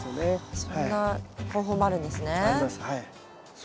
そんな方法もあるんですね。